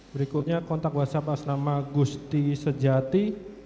berikutnya kontak whatsapp atas nama gusti sejati